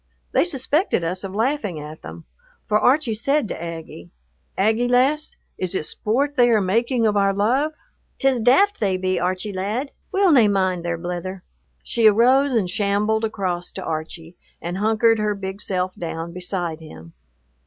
They suspected us of laughing at them, for Archie said to Aggie, "Aggie, lass, is it sport they are making of our love?" "'T is daft they be, Archie, lad; we'll nae mind their blither." She arose and shambled across to Archie and hunkered her big self down beside him.